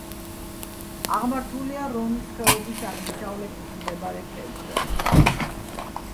აღმართულია რონის ხეობის აღმოსავლეთით მდებარე ქედზე.